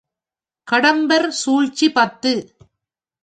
கடம்பர் சூழ்ச்சி பத்து.